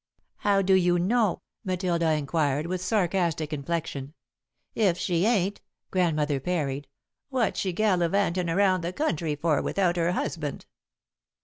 "How do you know?" Matilda inquired, with sarcastic inflection. "If she ain't," Grandmother parried, "what's she gallivantin' around the country for without her husband?"